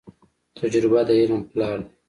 تجربه د علم پلار دی.